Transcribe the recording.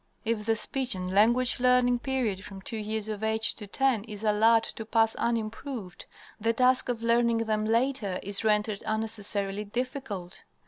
"If the speech and language learning period, from two years of age to ten, is allowed to pass unimproved, the task of learning them later is rendered unnecessarily difficult.